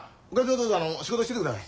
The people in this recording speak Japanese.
どうぞ仕事しててください。